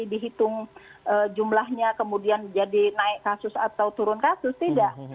dihitung jumlahnya kemudian jadi naik kasus atau turun kasus tidak